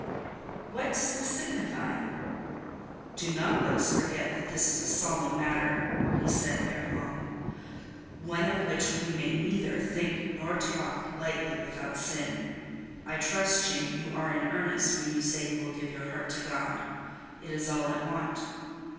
"What does this signify?" "Do not let us forget that this is a solemn matter," he said ere long; "one of which we may neither think nor talk lightly without sin. I trust, Jane, you are in earnest when you say you will serve your heart to God: it is all I want.